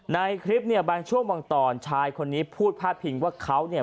ในคลิปเนี่ยบางช่วงบางตอนชายคนนี้พูดพาดพิงว่าเขาเนี่ย